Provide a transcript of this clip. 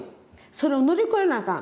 それを乗り越えなあかん。